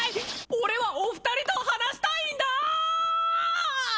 俺はお二人と話したいんだ！